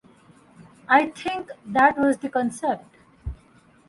I think that was the concept.